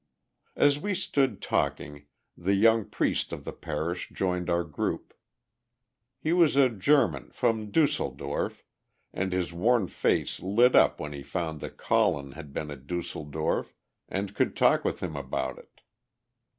As we stood talking, the young priest of the parish joined our group. He was a German, from Düsseldorf, and his worn face lit up when he found that Colin had been at Düsseldorf and could talk with him about it.